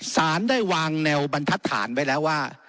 สารได้วางแนวบรรทัดฐานไว้แล้วว่า